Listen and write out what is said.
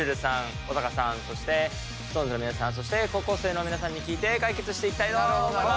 小高さんそしてＳｉｘＴＯＮＥＳの皆さんそして高校生の皆さんに聞いて解決していきたいと思います。